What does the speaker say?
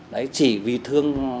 đấy chỉ vì thương